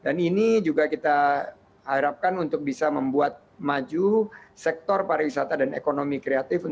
dan kita juga berharapkan untuk membuat sektor pariwisata dan ekonomi kreatif